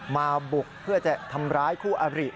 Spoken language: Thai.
มาบุกเพื่อจะทำร้ายคู่อบริ